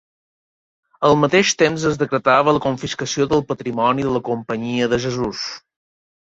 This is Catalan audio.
Al mateix temps, es decretava la confiscació del patrimoni de la Companyia de Jesús.